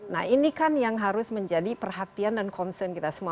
nah ini kan yang harus menjadi perhatian dan concern kita semua